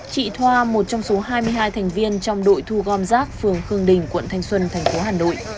chị thoa một trong số hai mươi hai thành viên trong đội thu gom rác phường khương đình quận thanh xuân thành phố hà nội